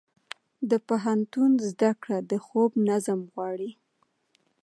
د پوهنتون زده کړه د خوب نظم غواړي.